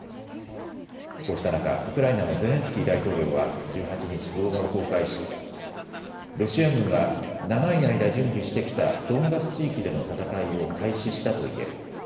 こうした中、ウクライナのゼレンスキー大統領は１８日、動画を公開しロシア軍は長い間、準備してきたドンバス地域での戦いを開始したと言える。